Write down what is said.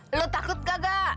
lu takut gak gak